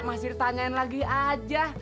masih ditanyain lagi aja